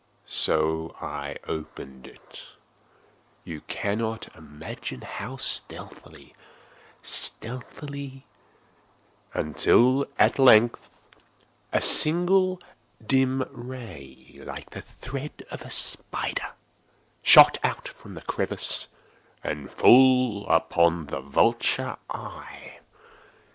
So I opened it—you cannot imagine how stealthily, stealthily—until, at length a simple dim ray, like the thread of the spider, shot from out the crevice and fell full upon the vulture eye.